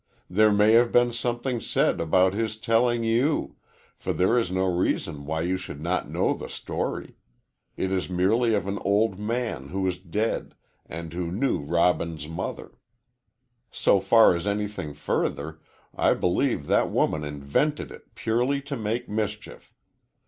There may have been something said about his telling you, for there is no reason why you should not know the story. It is merely of an old man who is dead, and who knew Robin's mother. So far as anything further, I believe that woman invented it purely to make mischief.